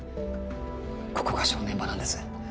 ここが正念場なんです。